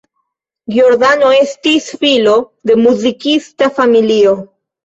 Giordano estis filo de muzikista familio.